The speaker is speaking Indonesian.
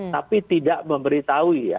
tapi tidak memberitahui ya